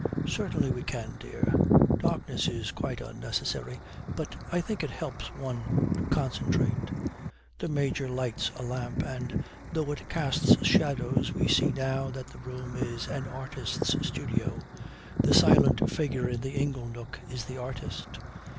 'Certainly we can, dear. Darkness is quite unnecessary, but I think it helps one to concentrate.' The Major lights a lamp, and though it casts shadows we see now that the room is an artist's studio. The silent figure in the ingle nook is the artist.